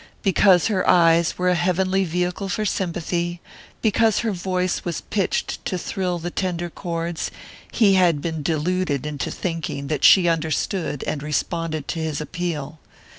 Because her eyes were a heavenly vehicle for sympathy, because her voice was pitched to thrill the tender chords, he had been deluded into thinking that she understood and responded to his appeal.